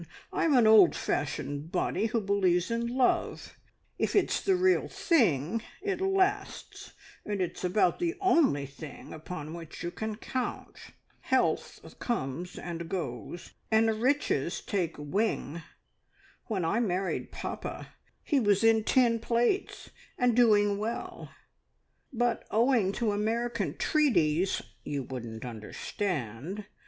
I'm an old fashioned body, who believes in love. If it's the real thing it lasts, and it's about the only thing upon which you can count. Health comes and goes, and riches take wing. When I married Papa he was in tin plates, and doing well, but owing to American treaties (you wouldn't understand!)